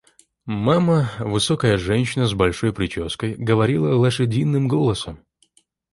Мама, высокая женщина с большой прической, говорила лошадиным голосом.